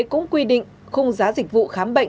cũng quy định khung giá dịch vụ khám bệnh